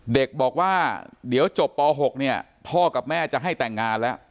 เด็กบอกว่าเดี๋ยวจบป๖เนี่ยพ่อกับแม่จะให้แต่งงานแล้ว